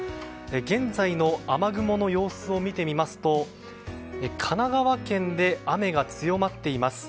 現在の雨雲の様子を見てみますと神奈川県で雨が強まっています。